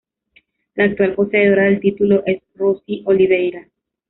La actual poseedora del título es Rosie Oliveira.